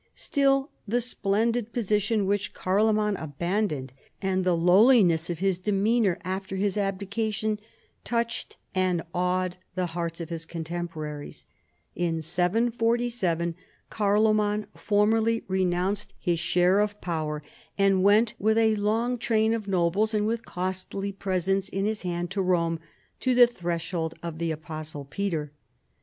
Still, the splendid position which Carlo man abandoned, and the lowliness of his demeanor after his abdication, touched and awed the hearts of his coiitempoi arics. In 747 Carloman formall\' renounced his share of PIPPIN, KING OF THE PRANKS. (J7 power, and went with along train of nobles and wit.li costl}' presents in his hand to liome, " to the tbresii old of the apostle Peter."